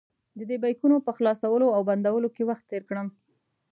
ددې بیکونو په خلاصولو او بندولو کې وخت تېر کړم.